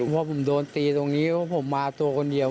เพราะผมโดนตีตรงนี้เพราะผมมาตัวคนเดียว